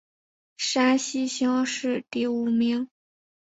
山西乡试第五名。